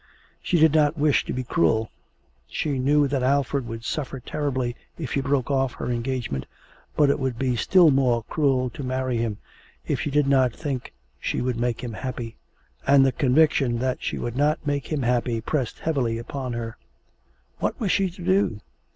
She did not wish to be cruel; she knew that Alfred would suffer terribly if she broke off her engagement, but it would be still more cruel to marry him if she did not think she would make him happy, and the conviction that she would not make him happy pressed heavily upon her. What was she to do?